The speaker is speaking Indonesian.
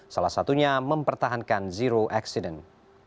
salah satunya mempertahankan zero accident